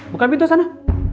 bukan pintu sana